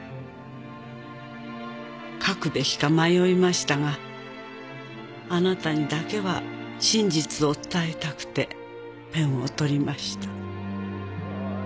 「書くべきか迷いましたがあなたにだけは真実を伝えたくてペンを執りました」